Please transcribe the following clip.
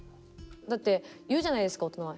だって言うじゃないですか大人は。